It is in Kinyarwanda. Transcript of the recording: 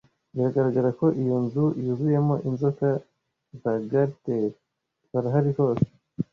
Biragaragara ko iyo nzu yuzuyemo inzoka za garter. Barahari hose.